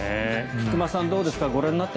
菊間さん、どうですか？